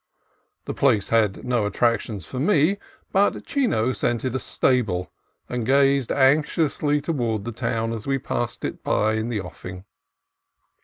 The place had no attractions for me, but Chino scented a stable, and gazed anxiously toward the town as we passed it by in the offing.